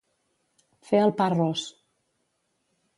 Fer el pa ros.